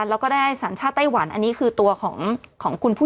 แล้วก็ได้สัญชาติไต้หวันอันนี้คือตัวของคุณผู้